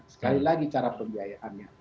sekali lagi cara pembiayaannya